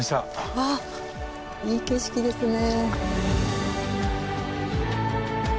わあいい景色ですね。